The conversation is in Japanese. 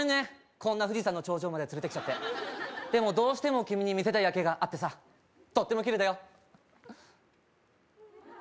こんな富士山の頂上まで連れてきちゃってでもどうしても君に見せたい夜景があってさとってもキレイだよ